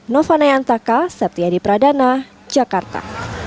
nova nayantaka septya di pradana jakarta